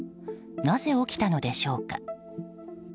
なぜ起きたのでしょうか。